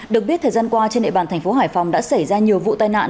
được biết thời gian qua trên địa bàn thành phố hải phòng đã xảy ra nhiều vụ tai nạn